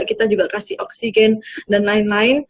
kita juga kasih oksigen dan lain lain